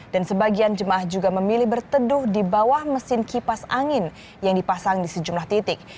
dan sebagian jemaah juga memilih berteduh di bawah mesin kipas angin yang dipasang di sejumlah titik